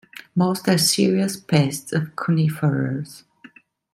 Most are serious pests of conifers.